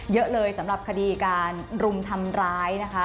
เยอะเลยสำหรับคดีการรุมทำร้ายนะคะ